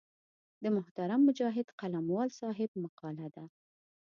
د محترم مجاهد قلموال صاحب مقاله ده.